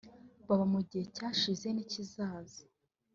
haba mu gihe cyashize n’ikizaza